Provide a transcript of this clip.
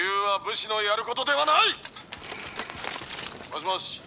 「もしもし？」。